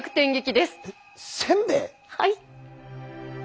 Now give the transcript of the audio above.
はい。